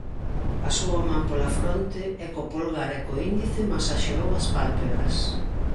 Pasou a man pola fronte e, co polgar e co índice, masaxeou as pálpebras.